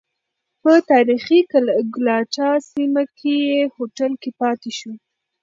په تاریخی ګلاټا سیمه کې یې هوټل کې پاتې شو.